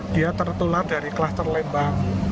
dia tertular dari kluster lembang